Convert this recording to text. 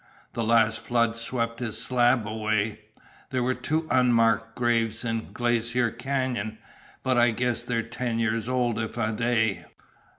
The last flood swept his slab away. There's two unmarked graves in Glacier Canyon, but I guess they're ten years old if a day.